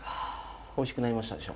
おいしくなりましたでしょ。